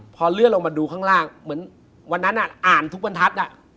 พอเลื่อนลงมาดูข้างล่างวันนั้นอ่ะอ่านทุกบรรทัศน์นะ